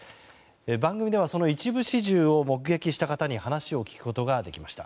番組ではその一部始終を目撃した方に話を聞くことができました。